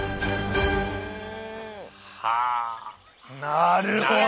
なるほど！